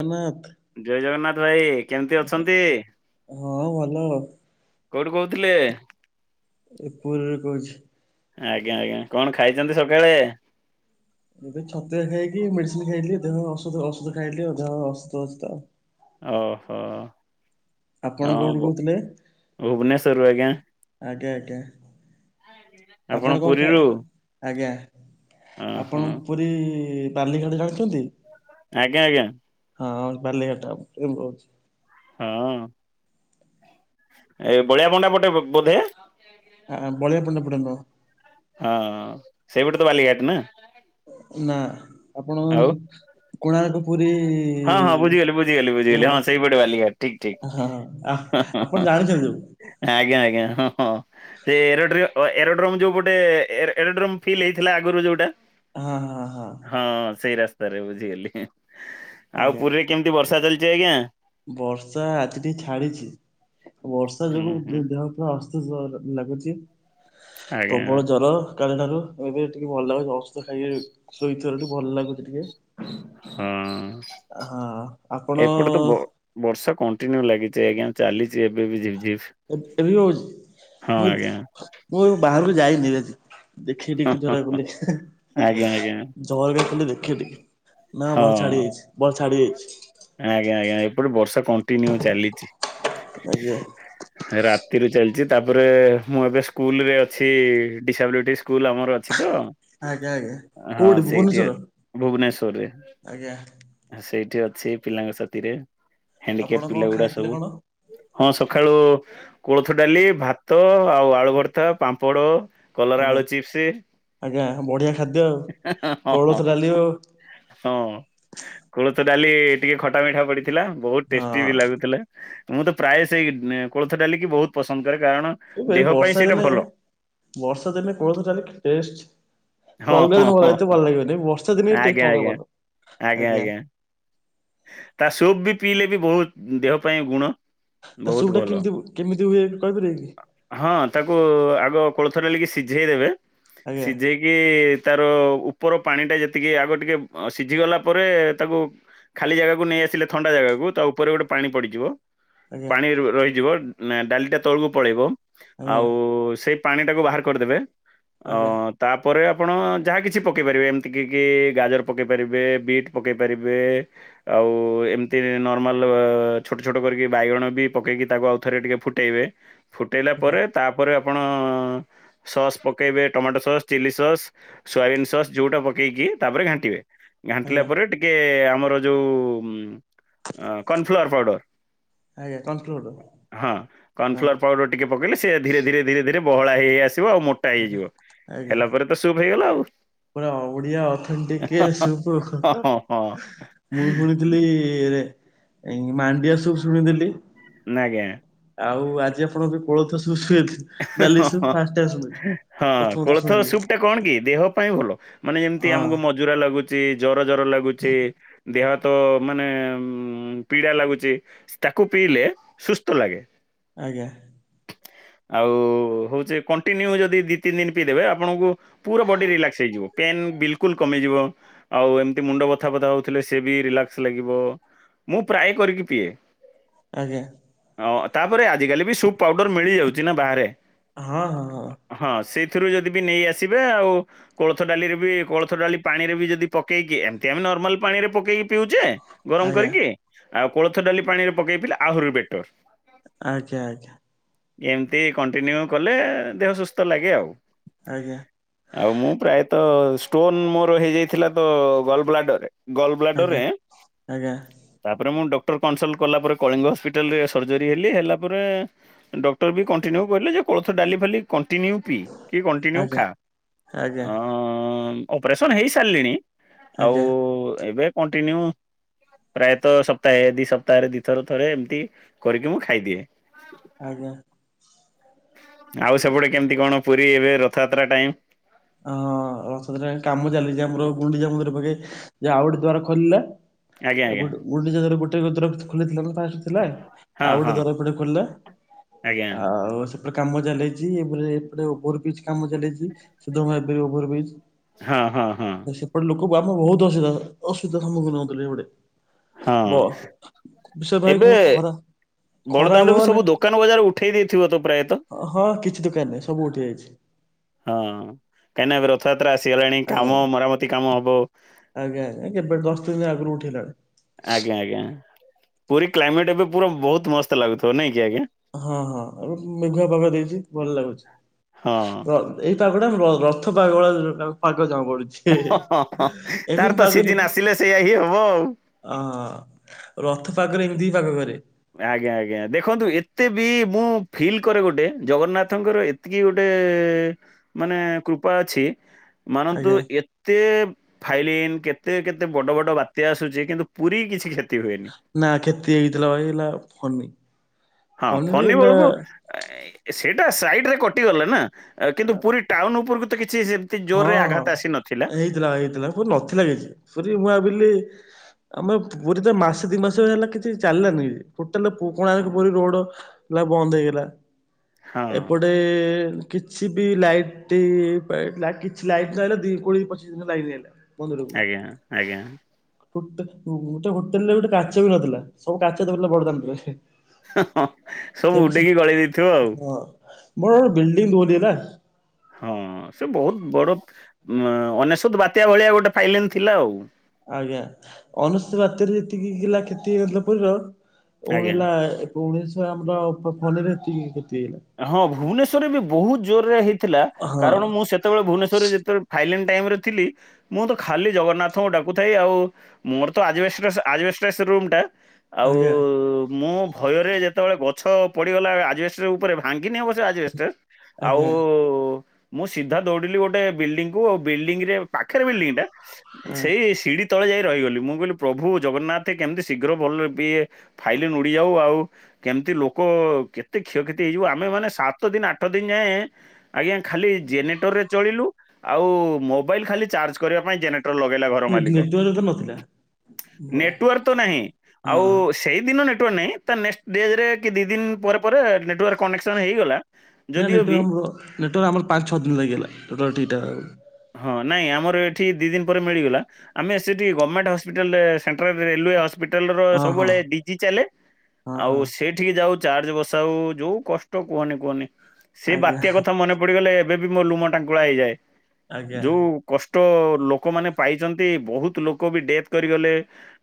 ଅ [unintelligible] ଜୟ ଜଗନ୍ନାଥ ଭାଇ କେମିତି ଅଛନ୍ତି। ହଁ ଭଲ କୋଉଠୁ କହୁଥିଲେ। ଏ ପୁରୀ ରୁ କହୁଛି। ଆଜ୍ଞା ଆଜ୍ଞା କଣ ଖାଇଛନ୍ତି ସକାଳେ। ଏବେ ଛତିଆ ଖାଇକି ମେଡିସିନ ଖାଇଲି ଦେହ ଅସୁଧ ଔଷଧ ଖାଇଲି ଆଉ ଦେହ ଅସୁଧ ଅଛି ଆଉ। ଓହୋ। ଆପଣ କୋଉଠୁ ହଁ କହୁଥିଲେ ଭୁବନେଶ୍ଵରରୁ ଆଜ୍ଞା। ଆଜ୍ଞା ଆଜ୍ଞା ଆ [unintelligible] ଆପଣ କଣ ଖା ଆଜ୍ଞା ଓହୋ ଆପଣ ପୁରୀ ଲି ଖାଡି ଜାଣିୁଛନ୍ତି [unintelligible] ଆଜ୍ଞା ଆଜ୍ଞା। ହଁ ହ ବାଲିଘାଟ ରୁ କହୁଚି। ହଁ। ଏ ଭଳିଆ ଭଣ୍ଡା ପଟେ ବୋଧେ। ଆ ବଲୀଆ ପଣ୍ଡ ପଡ଼ନ୍ତ ହଁ ସେଇପଟେ ତ ବାଲିଘାଟ ନା। ନା ଆପଣ ଆଉ କୋଣାର୍କ ପୁରୀ ହଁ ହଁ ବୁଝିଗଲି ବୁଝିଗଲି ବୁଝିଗଲି ରୋଡ ହଁ ସେଇପଟେ ବାଲିଘାଟ ଠିକ ହଁ ଆ ଠିକ। ଆପଣ ଜାଣିଛନ୍ତି ଯୋଉ ଆଜ୍ଞା ଆଜ୍ଞା ହଁ ହଁ। ସେ ଏରୋଡ୍ରୋ ଏରୋଡ୍ରୋମ ଯୋଉ ଗୋଟେ ଏରୋଡ୍ରୋମ ଫିଲ୍ ହେଇଥିଲା ଆଗରୁ ଯୋଉପଟେ। ହଁ ହଁ ହଁ। ହଁ ସେଇ ରାସ୍ତାରେ ବୁଝିଗଲି ଆଉ ଆଜ୍ଞା ପୁରୀରେ କେମିତି ବର୍ଷା ଚାଲିଛି ଆଜ୍ଞା। ବର୍ଷା ଆଜି ଟିକେ ଛାଡିଛି ବର୍ଷା ହୁଁ ଯୋଗୁ ହୁଁ ଦେହ ଅଳସ୍ ଲାଗୁଛି ଆଜ୍ଞା ପ୍ରବଳ ଜର। ସକାଳଠାରୁ ଏବେ ଟିକେ ଭଲ ଲାଗୁଛି ଔଷଧ ଖାଇକ ଶୋଇଥିବାରୁ ଭଲ ଲାଗୁଛି ଟିକେ। ହଁ ହଁ ଆପଣ ଏପଟ ତ ବ ବର୍ଷା କଣ୍ଟିନ୍ୟୁ ଲାଗିଛି ଆଜ୍ଞା ଚାଲିଛି ଏବେ ବି ଝିପ୍ ଝିପ୍। ଏବେ ହଉଛି ହଁ ମୁଁ ଆଜ୍ଞା ମୁଁ ବାହାରକୁ ଯାଇନି ଆଜି। ଦେଖେଇ ଟି ହଁ ହଁ ଝରା ହଁ କଲେ [unintelligible] ଆଜ୍ଞା ଆଜ୍ଞା। ଚହଲଗା ଗା ଖୋଲି ଦେଖେ ଟିକେ ନାଁ ବର ଛାଡ଼ି ହଁ। ଯାଇଛି ବର ଛାଡ଼ି ଯାଇଛି। ଆଜ୍ଞା ଆଜ୍ଞା ଏପଟେ ବର୍ଷା କଣ୍ଟିନ୍ୟୁ ଚାଲିଚି। ଆଜ୍ଞା। ରାତିରୁ ଚାଲିଚି ତାପରେ ମୁଁ ଏବେ ସ୍କୁଲ୍ ରେ ଅଛି ଡିସବିଲଟିସ୍ ସ୍କୁଲ୍ ଆମର ଅଛି ତ ଆଜ୍ଞା ଆଜ୍ଞା ହଁ କୋଉଠି ସେଇଠି ଭୁବନେଶ୍ଵର? ଭୁବନେଶ୍ଵରରେ। ଆଜ୍ଞା। ସେଇଠି ଅଛି ପିଲାଙ୍କ ସାଥିରେ ଆପଣ ହ୍ୟାଣ୍ଡିକାପ୍ କଣ ପିଲା ଗୁଡ଼ା ଖାଇଥିଲେ ସବୁ। କଣ? ହଁ ସଖାଳୁ କୋଳଥ ଡାଲି, ଭାତ ଆଉ ଆଳୁ ଭର୍ତ୍ତା, ପାମ୍ପଡ଼ କଲରା ଆଜ୍ଞା ଆଳୁ ଚିପ୍ସ ଆଜ୍ଞା ବଢିଆ ଖାଦ୍ୟ ଆଉ ହ କୋଳଥ ହଁ। ଡାଲି ଆଉ ହଁ କୋଳଥ ଡାଲି ଟିକେ ଖଟା ମିଠା ପଡ଼ିଥିଲା ବୋହୁତ ଟେଷ୍ଟି ବି ହଁ। ଲାଗୁଥିଲା। ମୁଁ ତ ପ୍ରାୟ ସେଇ କୋଳଥ ଡାଲିକି ବହୁତ ପସନ୍ଦ କରେ କାରଣ ଏ ଭାଇ ଦେହ ପାଇଁ ବର୍ଷା ସେଇଟା ଦିନେ ଭଲ। ବର୍ଷା ଦିନେ କିନ୍ତୁ କୋଳଥ ଡାଲି କି ଟେଷ୍ଟ। ତୁ ହଁ ଅଲଗା ହଁ ଦିନ କ ହଁ ଏତେ ହଁ ଭଲ ଲାଗିବନେଇ ବର୍ଷା ଦିନେ ଆଜ୍ଞା ଟେଷ୍ଟ ଅଲଗା ଆଜ୍ଞା ପକାର ଆଜ୍ଞା। ତା ସୁପ୍ ବି ପିଇଲେ ବି ବହୁତ ଦେହ ପାଇଁ ଗୁଣ। ତ ବହୁତ ସୁବଟା ଭଲ। କେମତି କେମିତି ହୁଏ ବି କହିପାରିବେ କି? ହଁ ତାକୁ ଆଗ କୋଳଥ ଡାଲିକି ସିଝେଇ ଦେବେ ଆଜ୍ଞା ସିଜେଇ ଇ ତାର ଉପର ପାଣିଟା ଯେତିକି ଆଗ ଟିକେ ଅ ସିଝି ଗଲା ପରେ ତାକୁ ଖାଲି ଜାଗାକୁ ନେଇଆସିଲେ ଥଣ୍ଡା ଜାଗାକୁ ତ ଉପରେ ଗୋଟେ ପାଣି ପଡ଼ିଯିବ ଆଜ୍ଞା ପାଣି ର ରହିଯିବ। ନାଁ ଡାଲିଟା ତଳୁକୁ ପଳେଇବ ଆଜ୍ଞା ଆଉ ସେଇ ପାଣିଟାକୁ ବାହାର କରିଦେବେ। ଅ ଆଜ୍ଞା ତା ପରେ ଆପଣ ଯାହା କିଛି ପକେଇ ପାରିବେ ଏମିତି କି କି ଗାଜର ପକେଇ ପାରିବେ ବିଟ୍ ପକେଇ ପାରିବେ। ଆଉ ଏମିତି ନର୍ମାଲ ଛୋଟ ଛୋଟ କରିକି ବାଇଗଣ ବି ପକେଇକି ତାକୁ ଆଉ ଥରେ ଟିକେ ଫୁଟେଇବେ ଫୁଟେଇଲା ଆଜ୍ଞା ପରେ ତାପରେ ଆପଣ ସସ୍ ପକେଇବେ tomato sauce chilli sauce. Soybean sauce ଯଉଟା ପକେଇକି ତାପରେ ଘାଣ୍ଟିବେ। ଘାଣ୍ଟିଲା ଆଜ୍ଞା ପରେ ଟିକେ ଆମର ଯୋଉ ଉଁ କନଫ୍ଲୋର୍ ପାଉଡ଼ର ଆଜ୍ଞା କନଫ୍ଲୋର ହଁ ହଁ କନଫ୍ଲୋର୍ ପାଉଡ଼ର ଟିକେ ପକେଇଲେ ସେ ଧୀରେ ଧୀରେ ଧୀରେ ଧୀରେ ବହଳା ହେଇ ଆସିବ ଆଉ ମୋ ଟା ଆଜ୍ଞା ହେଇଯିବ। ଆଜ୍ଞା ହେଲା ପରେ ତ ସୁପ୍ ହେଇଗଲା ଆଉ। ପୁରା ଓଡ଼ିଆ ଅଥେଣ୍ଟିକ୍ ଇଏ ସୁପୁ। ମୁଁ ଶୁଣିଥିଲି ରେ ଏ ମାଣ୍ଡିଆ ସୁପ୍ ଶୁଣିଥିଲି। ନାଁ ଆଜ୍ଞା। ଆଉ ଆଜି ଆପଣ ବି କୋଳଥ ସୁଶୁ ଏଥି ଡାଲି ସୁ ଫାଷ୍ଟେ ହଁ କୋଳଥ ସୁପ୍ ଟା କଣ କି ଦେହ ପାଇଁ ଭଲ ମାନେ ଯେମତି ହଁ ଆମୁକୁ ମ ଜୁରା ଲାଗୁଚି ଜର ଜର ଲାଗୁଚି ଦେହ ହାତ ମାନେ ଉଁ ପୀଡ଼ା ଲାଗୁଚି ତାକୁ ପିଇଲେ ସୁସ୍ଥ ଲାଗେ। ଆଜ୍ଞା। ଆଉ ହଉଚି କଣ୍ଟିନ୍ୟୁ ଯଦି ଦି ତିନି ଦିନ ପିଇ ଦେବେ ଆପଣଙ୍କୁ ପୁରା ବଡ଼ି ରିଲାକ୍ସ ହେଇଯିବ ପେନ୍ ବିଲକୁଲ୍ କମିଯିବ। ଆଉ ଏମତି ମୁଣ୍ଡ ବଥାପଥା ହଉଥୁଲେ ସିଏ ବି ରିଲାକ୍ସ ଲାଗିବ। ମୁଁ ପ୍ରାୟ କରିକି ପିଏ। ଆଜ୍ଞା। ଆଉ ତାପରେ ଆଜିକାଲି ବି ସୁପ୍ ପାଉଡ଼ର ମିଳି ଯାଉଚି ନା ବାହାରେ। ହଁ ହଁ ହଁ। ହଁ ସେଇଥିରୁ ଯଦି ବି ନେଇ ଆସିବେ ଆଉ କୋଳଥ ଡାଲିରେ ବି କୋଳଥ ଡାଲି ପାଣିରେ ବି ଯଦି ପକେଇକି ଏମିତି ଆମେ ନର୍ମାଲ ପାଣିରେ ପକେଇକି ପିଉଚେ ଗରମ କରିକି ଆଉ କୋଳଥ ଡାଲି ପାଣି ରେ ପକେଇ ପିଲେ ଆହୁରି ବେଟର୍। ଆଜ୍ଞା ଆଜ୍ଞା। ଏମତି କଣ୍ଟିନ୍ୟୁ କଲେ ଦେହ ସୁସ୍ଥ ଲାଗେ ଆଉ। ଆଜ୍ଞା। ଆଉ ମୁଁ ପ୍ରାୟତଃ ଷ୍ଟୋନ୍ ମୋର ହେଇଯାଇଥିଲା ତ ଗଲ ବ୍ଲାଡରରେ ଗଲ ବ୍ଲାଡର ଆଜ୍ଞା ରେ ଆଜ୍ଞା ତାପରେ ମୁଁ ଡକ୍ଟର କନସଲ୍ଟ କଲା ପରେ କଳିଙ୍ଗ ହସ୍ପିଟାଲରେ ସର୍ଜରୀ ହେଲି ହେଲା ପରେ ଡ କ୍ଟର ବି କଣ୍ଟିନ୍ୟୁ କହିଲେ ଯେ କୋଳଥ ଡାଲି ଫାଲୀ କଣ୍ଟିନ୍ୟୁ ପି କି କଣ୍ଟିନ୍ୟୁ ଆଜ୍ଞା ଖା। ଆଜ୍ଞା ଅଁ ଅଁ ଅପରେସନ୍ ହେଇସାରିଲିଣି ଆଉ ଆଜ୍ଞା ଆଜ୍ଞା ଏବେ କଣ୍ଟିନ୍ୟୁ ପ୍ରାୟତଃ ସପ୍ତାହେ ଦି ସପ୍ତାହରେ ଦିଇଥର ଥରେ ଏମିତି କରିକି ମୁଁ ଖାଇଦିଏ। ଆଜ୍ଞା। ଆଉ ସେପଟେ କେମିତି କଣ ପୁରୀ ଏବେ ରଥଯାତ୍ରା ଟାଇମ୍? ଅଁ ରଥଯାତ୍ରା ହେଟି କାମ ଚାଲିଛି ଆମର ଗୁଣ୍ଡିଚା ମନ୍ଦିର ପାଖେ ଯେ ଆଉ ଗୋଟେ ଦ୍ଵାର ଖୋଲିଲା ଆଜ୍ଞା ଆ ଆଜ୍ଞା ଗୋଟ ଗୁଣ୍ଡିଚା ଘରେ ଗୋଟେ ଗ ଦର ଖୋଲିଥିଲା ନା ଥିଲା? ହଁ ଆଉଗୋଟେ ହଁ। ଦ୍ଵାର ଏପଟେ ଖୋଲିଲା ଆଜ୍ଞା ଆଉ ସେ କାମ ଚାଲିଛି ଏପଟେ ଏପଟେ ଓଭବ୍ରିଜ କାମ ଚାଲିଛି। ସୁଦାମ ହେବି [unintelligible] ଓଭର ବ୍ରିଜ। ହଁ ହଁ ହଁ ଗୋଟେ ଲୋକ ଆମେ ବହୁ ଅସୁବିଧା। ଅସୁବିଧା ସମ୍ମୁଖୀନ ହୋଉ ଥିଲେ ସେ ପଟେ। ହଁ ବ ସେ ଭାଇପୁଣି ପୁଣୀ ଖରା ଖରା ହବ ବଡ଼ଦାଣ୍ଡରୁ ମାନେ ସବୁ ଦୋକାନ ବଜାର ଉଠେଇ ଦେଇଥିବ ତ ପ୍ରାୟତଃ। ହଁ କିଛି ଦୋକାନ ନାହିଁ ସବୁ ଉଠି ଯାଇଛି। ହଁ କାହିଁକିନା ଏବେ ରଥଯାତ୍ରା ଆସିଗଲାଣି ଆଜ୍ଞା। କାମ ମରାମତି କାମ ହବ। ଆଜ୍ଞା ଆଜ୍ଞା କେବେ ଦଶ ଦିନ ଆଗରୁ ଉଠେଇଲଣି। ଆଜ୍ଞା ଆଜ୍ଞା ପୁରୀ କ୍ଲାଇମେଟ୍ ଏବେ ପୁରା ବହୁତ ମସ୍ତ ଲାଗୁଥିବ ନାଇଁ କି ଆଜ୍ଞା? ହଁ ହଁ ଏବେ ମେଘୁଆ ପାଗ ଦେଇଛି ଭଲ ଲାଗୁଛି। ହଁ। ର ଏଇ ପାଗଟାମ ରଥ ପାଗ ଭଳିଆ ପାଗ ଜଣା ପଡ଼ୁଛି। [unintelligible] ତାର ତ ସିଜିନ୍ ଆସିଲେ ସେଇୟା ହିଁ ହବ ଆଉ। ଅ ରଥ ପାଗରେ ଏମିତି ହି ପାଗ କରେ। ଆଜ୍ଞା ଆଜ୍ଞା ଦେଖନ୍ତୁ ଏତେ ବି ମୁଁ ଫିଲ୍ କରେ ଗୋଟେ ଜଗନ୍ନାଥଙ୍କର ଏ ଏତିକି ଗୋଟେ ମାନେ କୃପା ଅଛି ମାନନ୍ତୁ ଆଜ୍ଞା ଏ କେତେ ଫାଇଲିନ୍ କେତେ କେତେ ବଡ ବଡ ବାତ୍ୟା ଆସୁଛି କିନ୍ତୁ ପୁରୀ କିଛି କ୍ଷତି ହୁଏ ନା ଖେତି ହେଇଥିଲା ଭାଇ ହେଲା ଫନି। ହଁ ଫନିରେ ଫନି ବଳକୁ ହେଲା ସେଇଟା ସାଇଟ୍ ରେ କଟିଗଲେ ନା କିନ୍ତୁ ପୁରୀ ଟାଉନ୍ ଉପରକୁ ତ କିଛି ସେ ହଁ ହଁ ହେଇଥିଲା ହେଇଥିଲା ପ ନଥିଲା କିଛି ସରି ମୁଁ ଭାବିଲି ଆମ ପୁରୀ ତ ମାସେ ଦି ମାସ ହେଲା କିଛି ଚାଲିଲାନି ଟୋଟାଲ କୋଣାର୍କ ପୁରି ରୋଡ଼ ହେଲା ବନ୍ଦ ହେଇଗଲା। ହଁ ଏପଟେ କିଛି ବି ଲାଇଟି [unintelligible] କିଛି ଲାଇଟ୍ ନହଲେ ଦି କୋଡ଼ିଏ ପଚିଶ ଦିନ ରେ ଲାଇନ୍ ଆଇଲା। ଆଜ୍ଞା ଆଜ୍ଞା। ଗୁଟେ ଗୁ ଗୋଟେ ହୋଟେଲ ରେ ଗୋଟେ କାଚ ବି ନଥିଲା ସବୁ କାଚ [unintelligible] ବଡ଼ଦାଣ୍ଡରେ। ହଁ ହଁ ସବୁ ଉଡେଇକି ଗଳେଇ ଦେଇଥିବ ଆଉ। ମୋରୋଟ ବିଲ୍ଡିଙ୍ଗଂ [unintelligible] ହଁ ସେ ବହୁତ ବଡ଼ ଅନେସ୍ୱତ ବାତ୍ୟା ଭଳିଆ ଗୋଟେ ଫାଇଲେନ୍ ଥିଲା ଆଉ। ଆଜ୍ଞା ଅନେଶ୍ୱତ ବାତ୍ୟାରେ ଯେତିକି କ୍ଷତି ହେଇନଥିଲା ପିବ ପଣ ଆଜ୍ଞା ହେଲା। ଭୁବନେଶ୍ୱର ଆମର ଫନିରେ ଏତିକି କ୍ଷତି ହେଇଗଲା। ହଁ ଭୁବନେଶ୍ୱରରେ ବି ବହୁତ ଜୋରରେ ହେଇଥିଲା। ହଁ କାରଣ ମୁଁ ସେ ଯେତେବେଳେ ଭୁବନେଶ୍ୱରରେ ଯେତେବେଳେ ଫାଇଲେନ ଟାଇମରେ ଥିଲି। ମୁଁ ତ ଖାଲି ଜଗନ୍ନାଥଙ୍କୁ ଡାକୁଥାଏ। ଆଉ ମୋର ତ ଆଜବେଷ୍ଟ ଆଜବେଷ୍ଟ ରା ସେ ରୁମ ଟା। ଆଉ ଆଜ୍ଞା ମୁଁ ଭୟରେ ଯେତେବେଳେ ଗଛ ପଡିଗଲା ଆଜବେଷ୍ଟ ଉପରେ ଭାଙ୍ଗିନି ଅବ ଆଯେବେଷ୍ଟ ଆଉ ଆଜ୍ଞା ମୁଁ ସିଧା ଦୌଡିଲି ଗୋଟେ ବିଲଡିଂକୁ ବିଲଡିଙ୍ଗରେ ପାଖରେ ବିଲଡିଂଟା। ହଁ। ସେଇ ସିଡି ତବେଳେ ଯାଇ ରହିଗଲି ମୁଁ କହିଲି ପ୍ରଭୁ ଜଗନ୍ନାଥ କେମିତି ଶୀଘ୍ର ଭଲ ହେବିଏ। ଫାଇଲି ନୁଡିଯାଉ ଆଉ କେମିତି ଲୋକ କେତେ କ୍ଷୟକ୍ଷତି ହେଇଯିବ। ଆମେ ମାନେ ସାତ ଦିନ ଆଠ ଦିନ ଯାଏଁ ଆଜ୍ଞା ଖାଲି ଜେନେରେଟରରେ ଚଳିଲୁ। ଆଉ ମୋବାଇଲ ଖାଲି ଚାର୍ଜ କରିବା ପାଇଁ ଜେନେ ଲଗେଇଲା ଘର ନେ- ମାଲିକ। ନେଟୱାର୍କ ତ ନଥିଲା। ହଁ ନେଟୱାର୍ ତ ନାହିଁ। ହଁ। ଆଉ ସେଇଦିନ ନେଟୱାର୍କ ନାହିଁ। ତା ନେକ୍ସଟ ଡେରେ କି ଦି ଦିନ ପରେ ପରେ ନେଟୱାର୍କ କନେକ୍ସନ୍ ହେଇଗଲା। ନା ଯଦିଓ ନେଟ ବି ଆମର ନେଟୱାର ଆମର ପାଞ୍ଚ ଛଅ ଦିନ ଲାଗିଗଲା। ଟୋଟାଲ ଠିକ ଠାକ ଇଟାଉ। ହଁ ନାଇଁ ଆମର ଏଠି ଦି ଦିନ ପରେ ମିଳିଗଲା। ଆମେ ସେଠି ଗମେଣ୍ଟ ହସ୍ପିଟାଲରେ ସେଣ୍ଟେରାଫି ରେଲୁୱେ ହପିଟାଲ ର ହଁ ହଁ ସବୁବେଳେ ଡିଜି ଚାଲେ। ହଁ ଆଉ ହଁ ସେଇଠିକି ଯାଉ ଚାର୍ଜ ବସାଉ। ଯୋଉ କଷ୍ଟ କୁହନି କୁହନି ସେ ଆଜ୍ଞା ବାତ୍ୟା କଥା ମନେ ପଡିଗଲେ ଏବେ ବି ମୋ ଲୁମ ଟାଙ୍କୁଳା ହେଇଯାଏ। ଆଜ୍ଞା ଯୋଉ କଷ୍ଟ ଲୋକମାନେ ପାଇଛନ୍ତି ବହୁତ ଲୋକ ବି ଡେଥ କରିଗଲେ।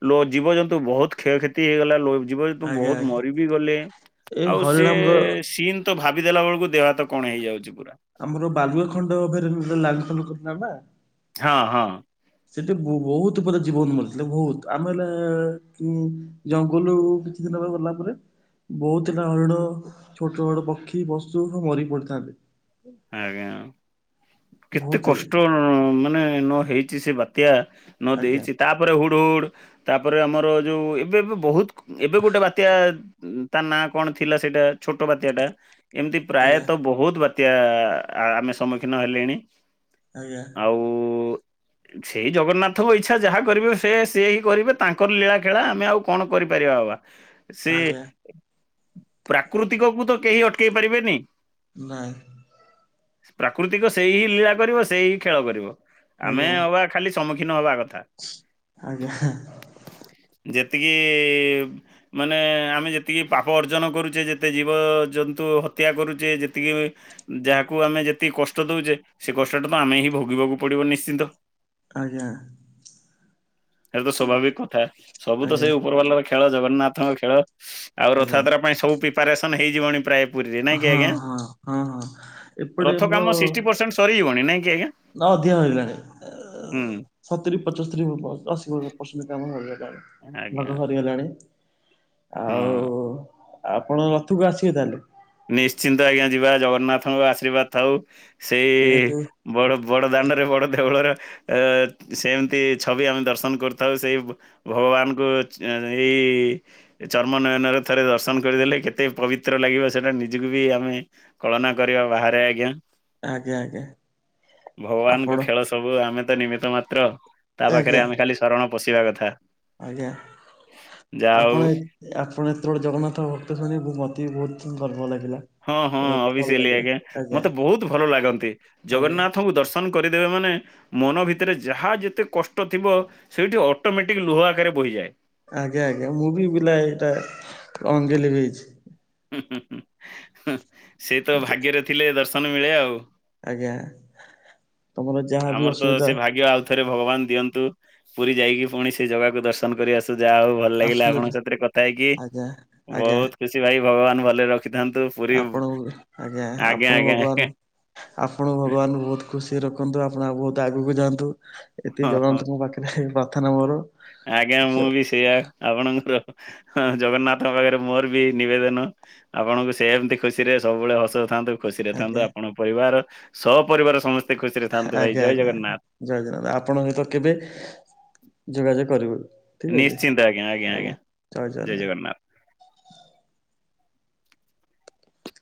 ଲୋ ଜୀବଜନ୍ତୁ ବହୁତ କ୍ଷୟକ୍ଷତି ହେଇଗଲା। ଲୋ ଜୀବ ଯେତୁ ଆଜ୍ଞା ବହୁତ ଆଜ୍ଞା। ମରିିବି ଗଲେ। ଏଇ ଆଉ ହରିଣ ସେ ଆମର ସିନ୍ ତ ଭାବିଦେଲା ବେଳକୁ ଦେହ ହାତ କଣ ହେଇଯାଉଛି ପୁରା। ଆମର ବାଲୁଆ ଖଣ୍ଡ ଲାଲୁନ କରିନା ନା ପା। ହଁ ହଁ। ସେଠି ବୋ ବହୁତ ପୁରା ଜୀବନ ମରିଥିଲେ। ବହୁତ ଆମେ ହେଲେ ଜଙ୍ଗଲରୁ କିଛି ଦିନ ଟା ଗଲା ପରେ ବହୁତ ହୋ ହରିଡ଼ ଛୋଟ ଛୋଟ ପକ୍ଷୀ ପଶୁ ମରି ପଡିଥାନ୍ତି। ଆଜ୍ଞା କେତେ ବହୁତ କଷ୍ଟ। ମାନେ ନ ହେଇଛି ସେ ବାତ୍ୟା ନ ଆଜ୍ଞା ଦେଇଛି ତା ତାପରେ ହୁଡ଼ ହୁଡ଼ ତାପରେ ଆମର ଯୋଉ ଏବେ ବହୁତ ଏବେ ଗୋଟେ ବାତ୍ୟା ତା ନା କଣ ଥିଲା ସେଇଟା ଛୋଟ ବାତ୍ୟା ଟା। ଏମିତି ଆଜ୍ଞା ପ୍ରାୟତଃ ବହୁତ ବାତ୍ୟା ତ୍ୟା ଆମେ ସମ୍ମୁଖୀନ ହେଲେଣି। ଆଜ୍ଞା ଆଉ ସେଇ ଜଗନ୍ନାଥଙ୍କ ଇଚ୍ଛା ଯାହା କରିବେ ସେ ସିଏ ହିଁ କରିବେ। ତାଙ୍କର ଲୀଳାଖେଳା ଆମେ ଆଉ କଣ କରିପାରିବା ବାବା? ସେ ଆଜ୍ଞା ପ୍ରାକୃତିକକୁ ତ କେହି ଅଟକେଇ ପାରିବେନି। ନାଇଁ। ପ୍ରାକୃତିକ ସେଇ ହିଁ ଲୀଳା କରିବ। ସେଇ ହିଁ ଖେଳ କରିବ। ଆମେ ଆଜ୍ଞା ଅବା ଖାଲି ସମ୍ମୁଖୀନ ହବା କଥା। ଆଜ୍ଞା। ଯେତିକି ମାନେ ଆମେ ଯେତିକି ପାପ ଅର୍ଜନ କରୁଛେ ଯେତେ ଜୀବଜନ୍ତୁ ହତ୍ୟା କରୁଛେ। ଯେତିକି ଯାହାକୁ ଆମେ ଯେତିକି କଷ୍ଟ ଦଉଛେ ସେ କଷ୍ଟଟା ତ ଆମେ ହିଁ ଭୋଗିବାକୁ ପଡିବ ନିଶ୍ଚିନ୍ତ। ଆଜ୍ଞା ଏଇଟା ତ ସ୍ୱାଭାବିକ କଥା। ସବୁ ତ ଆଜ୍ଞା ସେଇ ଉପର ବାଲାର ଖେ ଖେଳ ଜଗନ୍ନାଥଙ୍କ ଖେଳ ଆଉ ଆଜ୍ଞା ରଥଯାତ୍ରା ପାଇଁ ସବୁ ପ୍ରିପାରେସନ ହେଇଯିବଣି ପ୍ରାୟ ପୁରୀରେ ନାଇଁ କି ହଁ ଆଜ୍ଞା ହଁ ହଁ ହଁ ଏପଟେ [inaudible] [inaudible] ସରିଯିବନି ନାକି ଆଜ୍ଞା? ନ ଅଧିକା ରହିଲାଣି ଏ ହୁଁ ସତୁରି ପଞ୍ଚସ୍ତରି ଅଶୀଣ୍ଟ କାମ। [unintelligible] ଆଜ୍ଞା। ହେଲାଣି ହଁ। ଆପଣ ରଥକୁ ଆସିବେ ତାହେଲେ? ନିଶ୍ଚିନ୍ତ ଆଜ୍ଞା ଯିବା ଜଗନ୍ନାଥଙ୍କ ଆଶୀର୍ବାଦ ଥାଉ ସେଇ ଯେହେତୁ ବଡ଼ ବଡ଼ ଦାଣ୍ଡରେ ବଡ଼ ଦେଉଳର ଏ ସେମିତି ଛବି ଆମେ ଦର୍ଶନ କରୁଥାଉ ସେଇ ଭଗବାନଙ୍କୁ ଏଇ ଏ ଚର୍ମ ନୟନରେ ଥରେ ଦର୍ଶନ କରିଦେଲେ କେତେ ପବିତ୍ର ଲାଗିବ। ସେଟା ନିଜକୁ ବି ଆମେ କଳନା କରିବା ବାହାରେ ଆଜ୍ଞା। ଆଜ୍ଞା ଆଜ୍ଞା ଭଗବାନଙ୍କ ଆପଣ ଖେଳ ସବୁ ଆମେ ତ ନିମିତ ମାତ୍ର। ତା ଆଜ୍ଞା ପାଖରେ ଆମେ ଖାଲି ଶରଣ ପଶିବା କଥା ଆଜ୍ଞା ଯା ଆପଣ ହୋଉ। ଆପଣ ଯେତେବେଳେ ଜଗନ୍ନାଥ ଭକ୍ତ ଶୁଣିବୁ ମୋତେ ବି ବହୁତ ଗର୍ବ ଲାଗିଲା। ହଁ ହଁ ବହୁତ ଭଲ ଅବ୍ୟାସିଲି ଲାଗିଲା ଆଜ୍ଞ ଆଜ୍ଞା ମତେ ବହୁତ ଭଲ ଲାଗନ୍ତି ଆଜ୍ଞା ଜଗନ୍ନାଥଙ୍କୁ ଦର୍ଶ ଦର୍ଶନ କରିଦେବେ ମାନେ ମନ ଭିତରେ ଯାହା ଯେତେ କଷ୍ଟ ଥିବ ସେଇଠି ଅଟୋମେଟିକ ଲୁହ ଆକାରରେ ବହିଯାଏ। ଆଜ୍ଞା ଆଜ୍ଞା ମୁଁ ବି ବିଲ ଏଇଟା ଅଗେଂ ଲିଭେଇଚି। [unintelligible] ସେ ତ ଭାଗ୍ୟରେ ଥିଲେ ଦର୍ଶନ ମିଳେ ଆଉ। ଆଜ୍ଞା ତମର ଯାହାବି ଆମର ତ ସେ ଅସୁବିଧା ଭାଗ୍ୟ ଆଉ ଥରେ ଭଗବାନ ଦିଅନ୍ତୁ ପୁରୀ ଯାଇକି ପୁଣି ସେ ଜାଗାକୁ ଦର୍ଶନ କରି ଆସୁ ଯାହା ହଉ ଭଲ। ଭଲ ଲାଗିଲା ଆପଣଙ୍କ ଆସନ୍ତୁ ସାଥିରେ କଥା ହେଇକି ଆଜ୍ଞା ଆଜ୍ଞା ବହୁତ ଖୁସି ଭାଇ ଭଗବାନ ଭଲରେ ରଖିଥାନ୍ତୁ। ପୁରୀ ଆପଣ ଆଜ୍ଞା ଆପଣ ଆଜ୍ଞା ଆଜ୍ଞା ଭଗବାନ ଆପଣ ଭଗବାନଙ୍କୁ ବହୁତ ଖୁସି ରଖନ୍ତୁ ଆପଣ ବହୁତ ଆଗକୁ ଯାଆନ୍ତୁ। ଏତିକି ହଁ ହଁ। ଜଗନ୍ନାଥଙ୍କ ପାଖରେ ପ୍ରାର୍ଥନା ମୋର। ଆଜ୍ଞା ମୁଁ ବି ସେଇଆ ଆପଣଙ୍କର ହଁ ଜଗନ୍ନାଥଙ୍କ ପାଖରେ ମୋର ବି ନିବେଦନ ଆପଣଙ୍କୁ ସେ ଏମିତି ଖୁସିରେ ସବୁବେଳେ ହସ ଥାନ୍ତୁ ଖୁସିରେ ଥାନ୍ତୁ ଆଜ୍ଞା। ଆପଣଙ୍କ ପରିବାର ସଅ ପରିବାର ସମସ୍ତେ ଖୁସିରେ ଥାନ୍ତୁ ଭାଇ ଆଜ୍ଞା ଜୟ ଆଜ୍ଞା ଜଗନ୍ନାଥ ଜୟ ଜଗନ୍ନାଥ ଆପଣଙ୍କ ସହିତ କେବେ ଯୋଗାଯୋଗ କରିବୁ। ଠିକ୍ ଅଛି ଆଜ୍ଞା ଜୟ ଜଗନ୍ନାଥ।